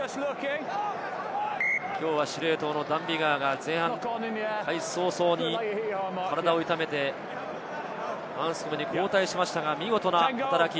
きょうは司令塔のダン・ビガーが前半、開始早々に体を痛めて、アンスコムに交代しましたが、見事な働き。